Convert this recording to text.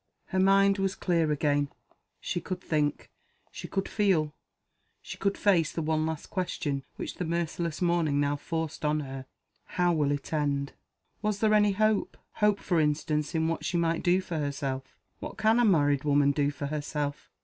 Her mind was clear again she could think, she could feel; she could face the one last question which the merciless morning now forced on her How will it end? Was there any hope? hope for instance, in what she might do for herself. What can a married woman do for herself?